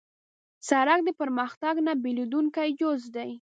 سړک د پرمختګ نه بېلېدونکی جز دی.